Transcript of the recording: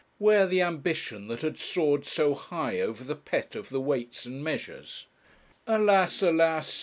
Where the ambition that had soared so high over the pet of the Weights and Measures? Alas, alas!